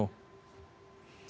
selamat malam mas taufik